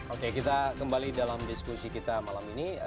oke kita kembali dalam diskusi kita malam ini